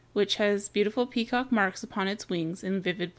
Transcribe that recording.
236), which has beautiful peacock marks upon its wings in vivid blue.